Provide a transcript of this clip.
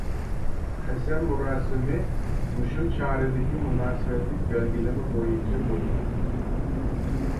قەسەم مۇراسىمى مۇشۇ چارىدىكى مۇناسىۋەتلىك بەلگىلىمە بويىچە بولىدۇ.